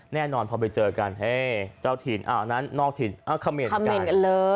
แน่นอนพอไปเจอกันเฮ้เจ้าถิ่นอันนั้นนอกถิ่นคาเมนต์กันเลย